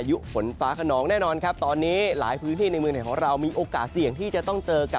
วันนี้ตั้งแต่ช่วงเช้าหลายพื้นที่ถึงบริษัทรุงเทพมหานคร